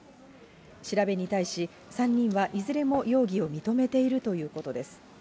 調べに対し、３人はいずれも容疑を認めているということです。